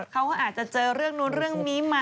เขาก็อาจจะเจอเรื่องนู้นเรื่องนี้มา